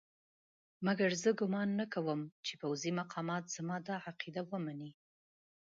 مګر زه ګومان نه کوم چې پوځي مقامات زما دا عقیده ومني.